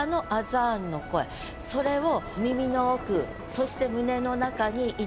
それを。